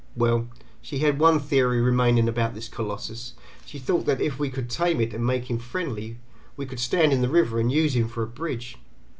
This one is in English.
Well, she had one theory remaining about this colossus: she thought that if we could tame it and make him friendly we could stand in the river and use him for a bridge.